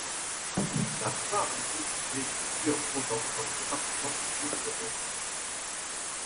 La Fare-les-Oliviers est située en Provence dans le département des bouches du Rhône.